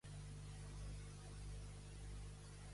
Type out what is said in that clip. Podries fer sonar la cançó "Sinmigo", m'agrada moltíssim?